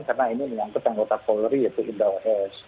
karena ini menyangka tanggota polri yaitu ibra os